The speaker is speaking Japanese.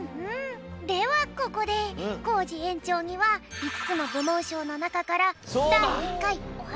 ではここでコージえんちょうにはいつつのぶもんしょうのなかからだい１かい「オハ！